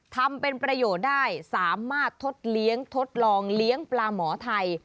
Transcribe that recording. ทำเป็นประโยชน์ได้สามารถทดเลี้ยงทดลองเลี้ยงปลาหมอไทย